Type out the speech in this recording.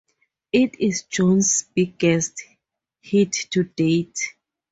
It is Jones's biggest hit to date.